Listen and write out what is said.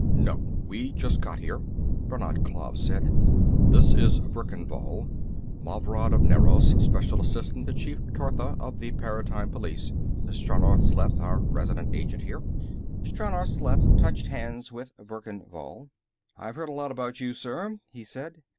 "No, we just got here," Brannad Klav said. "This is Verkan Vall, Mavrad of Nerros, special assistant to Chief Tortha of the Paratime Police, Stranor Sleth, our resident agent here." Stranor Sleth touched hands with Verkan Vall. "I've heard a lot about you, sir," he said.